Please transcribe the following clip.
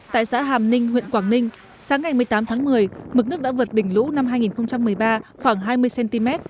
tại xã hàm ninh huyện quảng ninh sáng ngày một mươi tám tháng một mươi mực nước đã vượt đỉnh lũ năm hai nghìn một mươi ba khoảng hai mươi cm